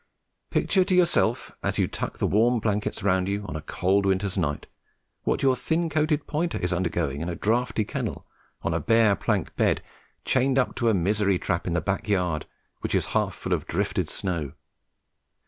Picture to yourself, as you tuck the warm blankets round you on a cold winters night, what your thin coated pointer is undergoing in a draughty kennel on a bare plank bed, chained up to a "misery trap" in the back yard, which is half full of drifted snow.